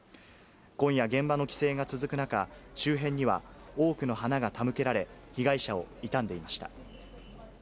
今夜、現場の規制が続く中、周辺には多くの花が手向けられ、被害者を悼んでいました。